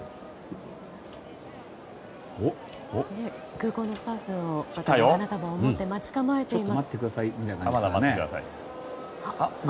空港のスタッフが花束を持って待ち構えています。